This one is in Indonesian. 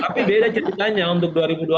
tapi beda ceritanya untuk dua ribu dua puluh